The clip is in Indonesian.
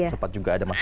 sempat juga ada masalah